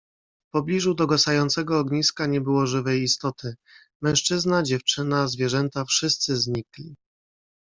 "W pobliżu dogasającego ogniska nie było żywej istoty: mężczyzna, dziewczyna, zwierzęta wszyscy znikli."